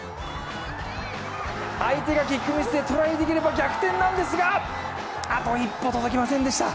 相手がキックミスでトライできれば逆転なんですが、あと一歩届きませんでした。